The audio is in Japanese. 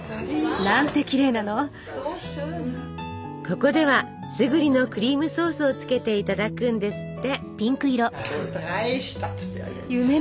ここではスグリのクリームソースをつけていただくんですって。